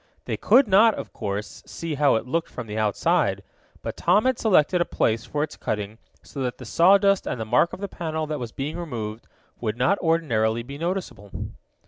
They could not, of course, see how it looked from the outside, but Tom had selected a place for its cutting so that the sawdust and the mark of the panel that was being removed, would not ordinarily be noticeable.